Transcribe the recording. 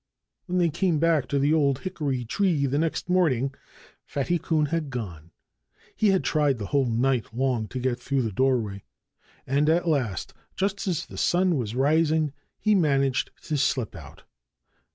When they came back to the old hickory tree the next morning Fatty Coon had gone. He had tried the whole night long to get through the doorway. And at last just as the sun was rising he managed to slip out.